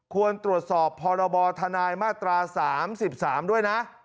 ควรตรวจสอบพรบธนายมาตรา๓๓ด้วยนะ